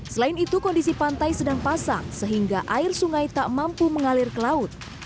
selain itu kondisi pantai sedang pasang sehingga air sungai tak mampu mengalir ke laut